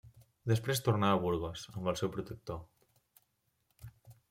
Després tornà a Burgos amb el seu protector.